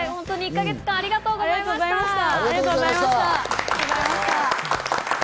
１か月間ありがとうございました。